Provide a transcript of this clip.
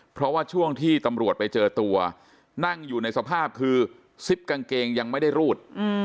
เพราะว่าช่วงที่ตำรวจไปเจอตัวนั่งอยู่ในสภาพคือซิปกางเกงยังไม่ได้รูด